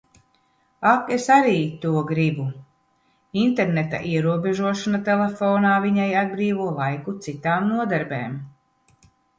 Ak, es arī to gribu! interneta ierobežošana telefonā viņai atbrīvo laiku citām nodarbēm.